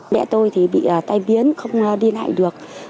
mẹ tôi bị tai biến không đi lại được